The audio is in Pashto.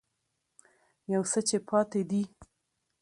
يو څه چې پاتې دي